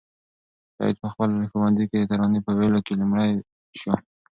سعید په خپل ښوونځي کې د ترانې په ویلو کې لومړی شو.